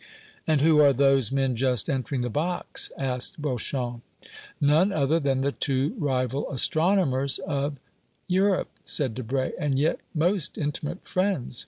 "And who are those men just entering the box?" asked Beauchamp. "None other than the two rival astronomers of Europe," said Debray, "and yet most intimate friends.